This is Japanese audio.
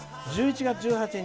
「１１月１８日